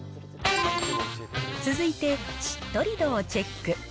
続いて、しっとり度をチェック。